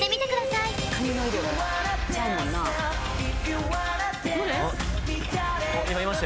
いました！